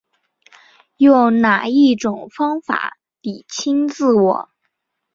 用哪一种方法厘清自我